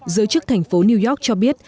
giới chức thành phố new york cho biết